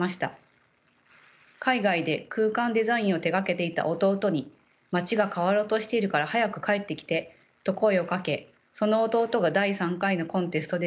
海外で空間デザインを手がけていた弟に「まちが変わろうとしているから早く帰ってきて」と声をかけその弟が第３回のコンテストで受賞。